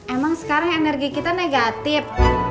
emang sekarang energi kita negatif